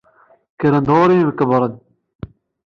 Kkren-d ɣur-i yemkebbren.